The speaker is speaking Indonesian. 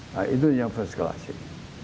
nah itu yang first classing